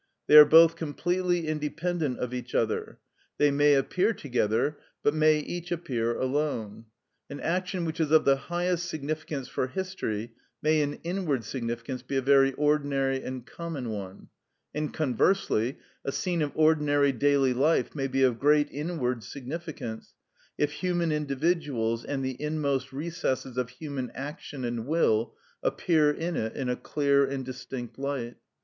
They are both completely independent of each other; they may appear together, but may each appear alone. An action which is of the highest significance for history may in inward significance be a very ordinary and common one; and conversely, a scene of ordinary daily life may be of great inward significance, if human individuals, and the inmost recesses of human action and will, appear in it in a clear and distinct light.